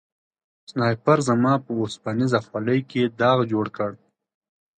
سنایپر زما په اوسپنیزه خولۍ کې داغ جوړ کړ